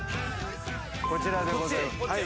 こちらでございます。